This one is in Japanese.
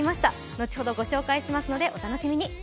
後ほどご紹介しますので、お楽しみに。